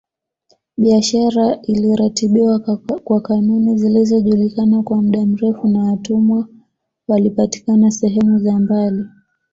Biashara iliratibiwa kwa kanuni zilizojulikana kwa muda mrefu na watumwa walipatikana sehemu za mbali